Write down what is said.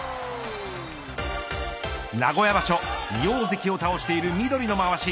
名古屋場所二大関を倒している緑のまわし。